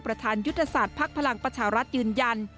ประธานยุทธศาสตร์ภักดิ์พลังประชารัฐยืนยัน